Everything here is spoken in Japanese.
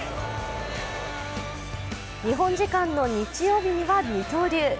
日本時間の日曜日には二刀流。